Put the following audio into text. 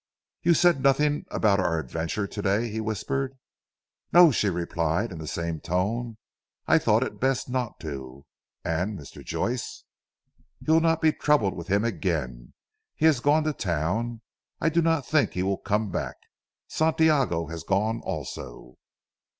"You said nothing about our adventure of to day," he whispered. "No," she replied in the same tone, "I thought it best not to. And Mr. Joyce?" "You will not be troubled with him again. He has gone to town. I do not think he will come back. Santiago has gone also."